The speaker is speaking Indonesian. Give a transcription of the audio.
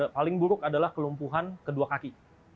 paling buruk adalah kelumpuhan kedua kaki